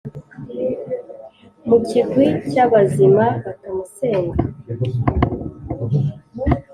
mu kigwi cy’abazima batamusenga?